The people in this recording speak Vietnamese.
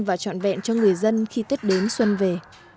và trọn vẹn cho người dân khi tết đến xuân về